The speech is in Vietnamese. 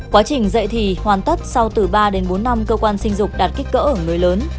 quá trình dạy thì hoàn tất sau từ ba đến bốn năm cơ quan sinh dục đạt kích cỡ ở người lớn